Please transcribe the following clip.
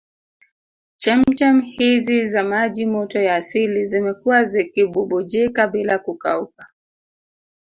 Chemchem hizi za maji moto ya asili zimekuwa zikibubujika bila kukauka